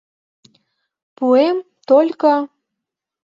— Пуэм, только...